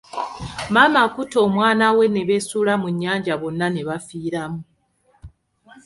Maama akutte omwana we ne beesuula mu nnyanja bonna ne bafiiramu.